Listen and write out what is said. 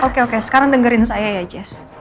oke oke sekarang dengerin saya ya jazz